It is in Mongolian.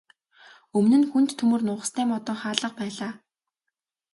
Өмнө нь хүнд төмөр нугастай модон хаалга байлаа.